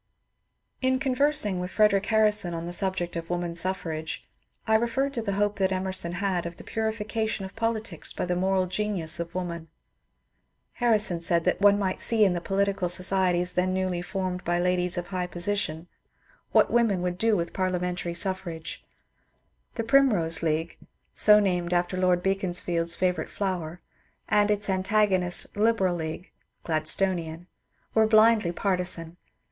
In conversing with Frederic Harrison on the subject of woman suffrage, I referred to the hope that Emerson had of the purification of politics by the '' moral genius " of woman. Harrison said that one might see in the political societies then newly formed by ladies of high position what women would do with parliamentary suffrage. The " Primrose League "— so named after Lord Beaconsfield's favourite flower — and its antagonist '^Liberal League" (Gladstonian) were blindly partizan.